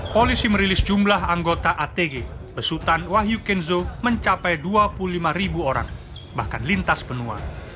polisi merilis jumlah anggota atg besutan wahyu kenzo mencapai dua puluh lima ribu orang bahkan lintas benua